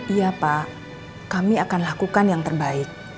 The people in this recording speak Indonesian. iya pak kami akan lakukan yang terbaik